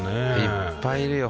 いっぱいいるよ